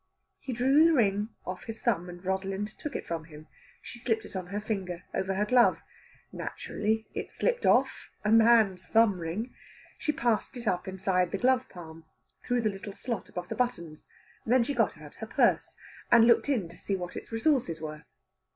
He drew the ring off his thumb, and Rosalind took it from him. She slipped it on her finger, over her glove. Naturally it slipped off a man's thumb ring! She passed it up inside the glove palm, through the little slot above the buttons. Then she got out her purse, and looked in to see what its resources were.